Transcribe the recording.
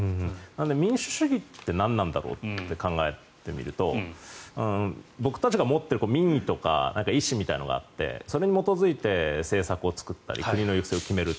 民主主義って何なんだろうって考えてみると僕たちが持っている民意とか意思みたいなのがあってそれに基づいて政策を作ったり国の行く末を決める。